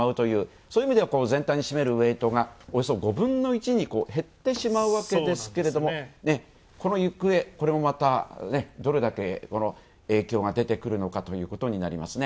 そういう意味では全体に占めるウエイトが、およそ５分の１に減ってしまうわけですけれどもこの行方、これもまたどれだけ影響が出てくるのかということになりますね。